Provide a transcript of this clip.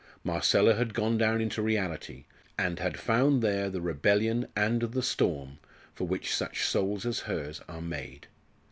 Marcella had gone down into reality, and had found there the rebellion and the storm for which such souls as hers are made.